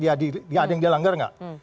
ada yang dilanggar gak